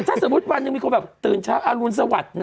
แต่ถ้าสมมติวันนึงมีคนแบบตื่นเช้าอรุณสวรรค์นะ